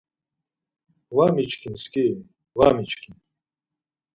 Var miçkin skiri, var miçkin.